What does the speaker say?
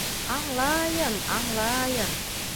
Аңлайым, аңлайым!